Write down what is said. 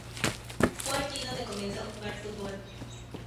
Fue allí donde comenzó a jugar al fútbol.